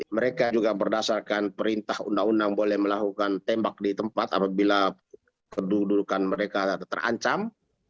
mereka juga berdasarkan perintah undang undang boleh melakukan tembak di tempat apabila kedudukan mereka terancam